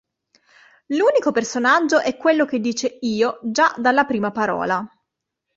L'unico personaggio è quello che dice "io" già dalla prima parola.